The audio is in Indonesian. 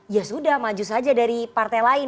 ya sudah maju saja dari partai lain